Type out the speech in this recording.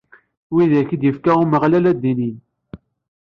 Widak i d-ifda Umeɣlal ad t-inin.